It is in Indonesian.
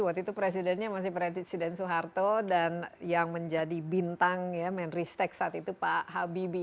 waktu itu presidennya masih presiden soeharto dan yang menjadi bintang ya menristek saat itu pak habibie